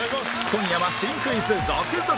今夜は新クイズ続々！